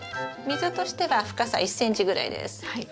溝としては深さ１ｃｍぐらいです。